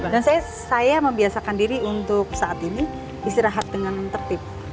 saya membiasakan diri untuk saat ini istirahat dengan tertib